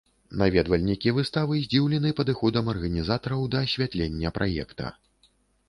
Наведвальнікі выставы здзіўлены падыходам арганізатараў да асвятлення праекта.